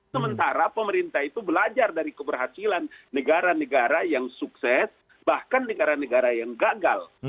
sementara pemerintah itu belajar dari keberhasilan negara negara yang sukses bahkan negara negara yang gagal